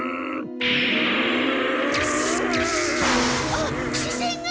あっ視線が！